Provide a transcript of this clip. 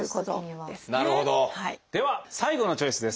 では最後のチョイスです。